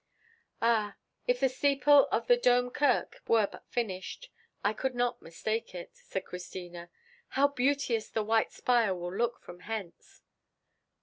"Ah! if the steeple of the Dome Kirk were but finished, I could not mistake it," said Christina. "How beauteous the white spire will look from hence!"